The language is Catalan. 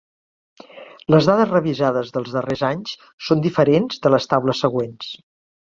Les dades revisades dels darrers anys són diferents de les taules següents.